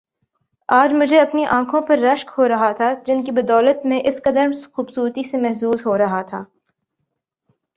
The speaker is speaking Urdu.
آج مجھے اپنی انکھوں پر رشک ہو رہا تھا جن کی بدولت میں اس قدر خوبصورتی سے محظوظ ہو رہا تھا